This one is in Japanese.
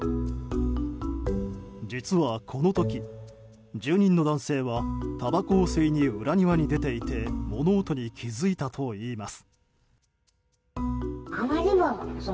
実は、この時住人の男性はたばこを吸いに裏庭に出ていて物音に気付いたといいます。